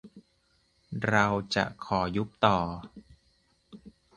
เรา จะขอยุบต่อ